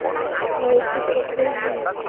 বাড়িতে তো কেউ নেই।